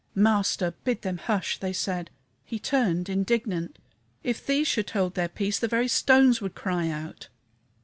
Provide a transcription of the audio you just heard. "Master! bid them hush," they said. He turned, indignant "If these should hold their peace the very stones would cry out."